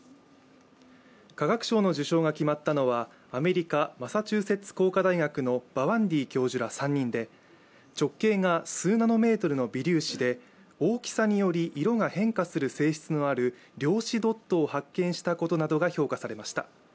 化学賞の受賞が決まったのはアメリカマサチューセッツ工科大学のバワンディ教授ら３人で、直径が数ナノメートルの微粒子で、大きさにより、色が変化する性質のある量子ドットを発見したことなどが評価されました。